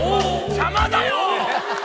邪魔だよ！